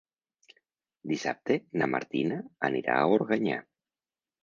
Dissabte na Martina anirà a Organyà.